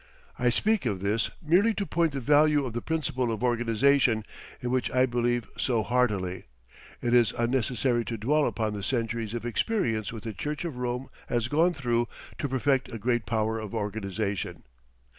I speak of this merely to point the value of the principle of organization, in which I believe so heartily. It is unnecessary to dwell upon the centuries of experience which the Church of Rome has gone through to perfect a great power of organization.